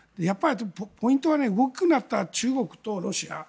やっぱりポイントは大きくなった中国とロシア。